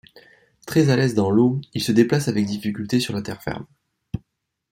Très à l'aise dans l'eau, il se déplace avec difficulté sur la terre ferme.